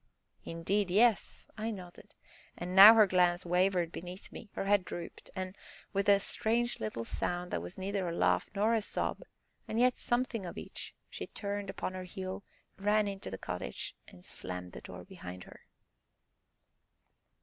"Indeed, yes," I nodded. And now her glance wavered beneath mine, her head drooped, and, with a strange little sound that was neither a laugh nor a sob, and yet something of each, she turned upon her heel, ran into the cottage, and slammed the door behind her.